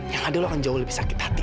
yang ada lo akan jauh lebih sakit hati